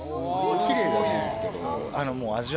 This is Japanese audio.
きれいではないんですけど。